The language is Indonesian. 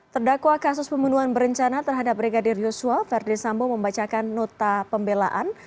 terdakwa kasus pembunuhan berencana terhadap brigadir yosua verdi sambo membacakan nota pembelaan